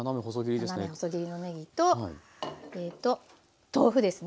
斜め細切りのねぎと豆腐ですね。